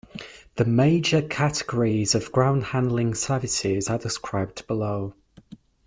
The major categories of ground handling services are described below.